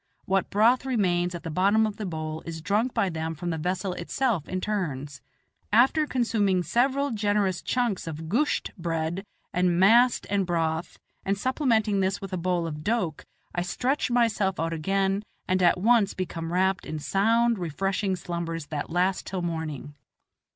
What broth remains at the bottom of the bowl is drunk by them from the vessel itself in turns. After consuming several generous chunks of "gusht" bread and mast and broth, and supplementing this with a bowl of doke, I stretch myself out again and at once become wrapped in sound, refreshing slumbers that last till morning.